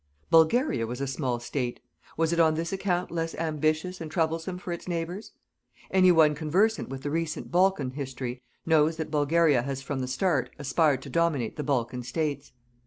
Bulgaria was a small State. Was it on this account less ambitious and troublesome for its neighbours? Any one conversant with the recent Balkan history knows that Bulgaria has from the start aspired to dominate the Balkan States.